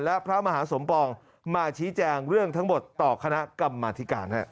และพระมหาสมปองมาชี้แจงเรื่องทั้งหมดต่อคณะกรรมธิการ